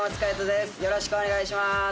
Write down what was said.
よろしくお願いします。